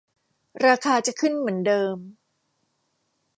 ราคาจะขึ้นเหมือนเดิม